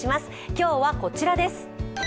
今日はこちらです。